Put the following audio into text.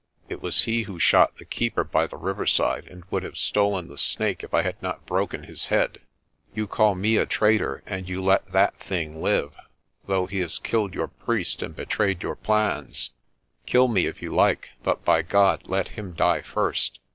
It was he who shot the Keeper by the river side and would have stolen the Snake if I had not broken his head. You call me a traitor and you let that thing live, though he has killed your priest and betrayed your plans. Kill me if you like, but by God let him die first."